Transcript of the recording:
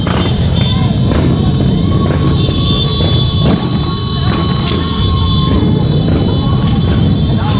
สวัสดีครับทุกคน